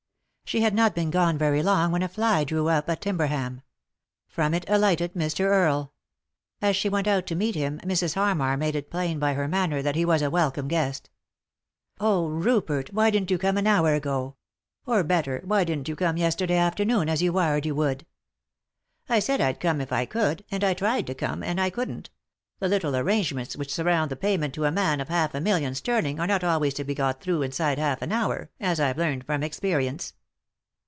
She had not been gone very long when a fly drew up at Timberham. From it alighted Mr. Earle. As she went out to meet him Mrs. Harmar made it plain by her manner that he was a welcome guest. " Oh, Rupert, why didn't you come an hour ago ? Or, better, why didn't you come yesterday afternoon as you wired you would ?"" I said I'd come if I could ; and I tried to come, and I couldn't. The little arrangements which sur round the payment to a man of half a million sterling are not always to be got through inside half an hour, as I've learned from experience."